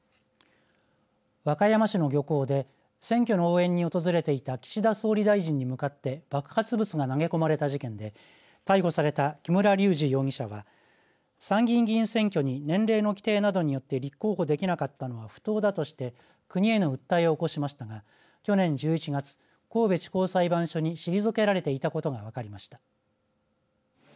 和歌山市の漁港で選挙の応援に訪れていた岸田総理大臣に向かって爆発物が投げ込まれた事件で逮捕された木村隆二容疑者は参議院議員選挙に年齢の規定などによって立候補できなかったのは不当だとして国への訴えを起こしましたが去年１１月、神戸地方裁判所に退けられていたことが分かりました。